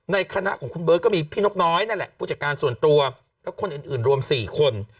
คณะของคุณเบิร์ตก็มีพี่นกน้อยนั่นแหละผู้จัดการส่วนตัวและคนอื่นรวม๔คน